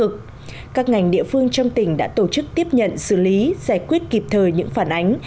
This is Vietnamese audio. các ngành địa phương trong tỉnh đã tổ chức tiếp nhận xử lý giải quyết kịp thời những phản ánh